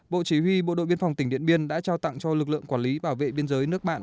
bộ chỉ huy bộ đội biên phòng tỉnh điện biên đã trao tặng cho lực lượng quản lý bảo vệ biên giới nước bạn